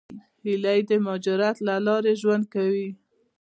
هیلۍ د مهاجرت له لارې ژوند کوي